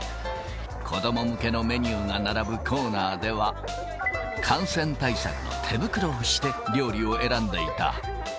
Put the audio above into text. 子ども向けのメニューが並ぶコーナーでは、感染対策の手袋をして料理を選んでいた。